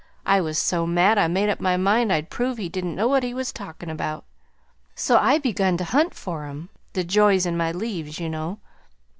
I was so mad I made up my mind I'd prove he didn't know what he was talkin' about, so I begun to hunt for 'em the joys in my 'leaves,' you know.